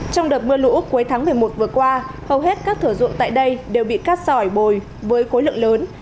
trong đợt mưa lũ cuối tháng một mươi một vừa qua hầu hết các thử dụng tại đây đều bị cắt sỏi bồi với khối lượng lớn